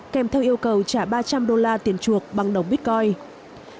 kèm theo yêu cầu trả ba trăm linh đô la tiền chuộc bằng đồng bitcoin